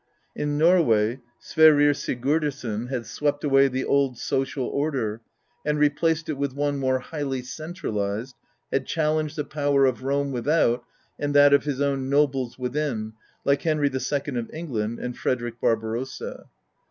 In Norway, Sverrir Sigurdarson had swept away the old social order, and replaced it with one more highly central ized; had challenged the power of Rome without, and that of his own nobles within, like Henry II of England and Frederick Barbarossa.